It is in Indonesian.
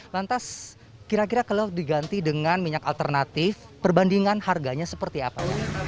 lantas kira kira kalau diganti dengan minyak alternatif perbandingan harganya seperti apa